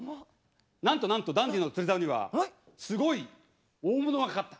なんとなんとダンディの釣りざおにはすごい大物がかかった。